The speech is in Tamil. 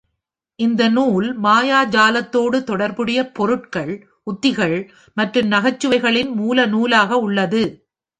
இந்த நூல் மாயாஜாலத்தோடு தொடர்புடைய பொருட்கள், உத்திகள் மற்றும் நகைச்சுவைகளின் மூலநூலாக உள்ளது.